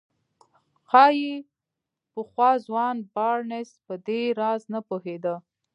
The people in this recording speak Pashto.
ښايي پخوا ځوان بارنس په دې راز نه پوهېده.